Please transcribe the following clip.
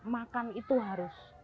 makan itu harus